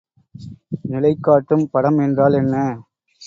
நிலைகாட்டும் படம் என்றால் என்ன?